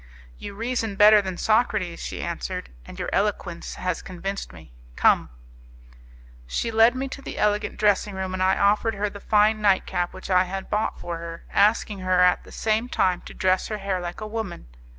"You reason better than Socrates," she answered, "and your eloquence has convinced me. Come!" She led me to the elegant dressing room, and I offered her the fine night cap which I had bought for her, asking her at the same time to dress her hair like a woman.